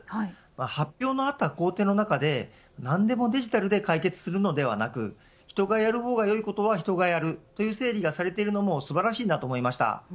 発表のあった工程の中で何でもデジタルで解決するのではなく人がやる方がよいことは人がやるという整理がされているのも素晴らしいなと思いました。